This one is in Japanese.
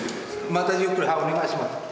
またゆっくりお願いします。